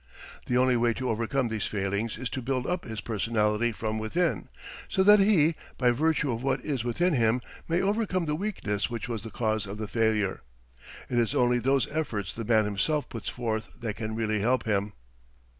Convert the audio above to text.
The only way to overcome these failings is to build up his personality from within, so that he, by virtue of what is within him, may overcome the weakness which was the cause of the failure. It is only those efforts the man himself puts forth that can really help him.